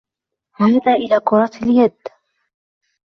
عاد إلى كرة اليد.